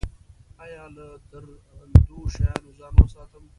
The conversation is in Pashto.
ایا له درندو شیانو ځان وساتم؟